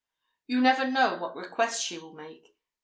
You never know what request she will make.